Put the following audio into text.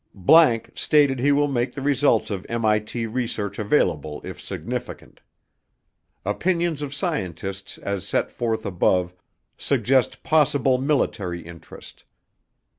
____STATED HE WILL MAKE THE RESULTS OF MIT RESEARCH AVAILABLE IF SIGNIFICANT. OPINIONS OF SCIENTISTS AS SET FORTH ABOVE SUGGEST POSSIBLE MILITARY INTEREST.